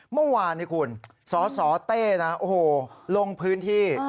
เมื่อวานนี้คุณสสเต้นะโอ้โหลงพื้นที่